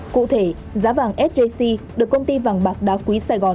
cụ thể giá vàng sjc được công ty vàng bạc đá quý sài gòn